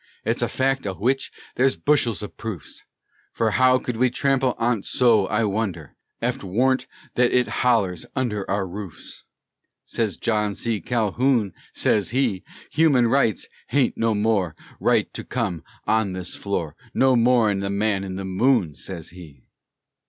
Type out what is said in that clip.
It's a fact o' wich ther's bushels o' proofs; Fer how could we trample on 't so, I wonder, Ef't worn't thet it's ollers under our hoofs?" Sez John C. Calhoun, sez he; "Human rights haint no more Right to come on this floor, No more'n the man in the moon," sez he.